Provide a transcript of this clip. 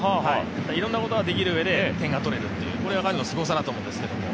いろんなことができるうえで点が取れるというのが彼のすごさだと思うんです。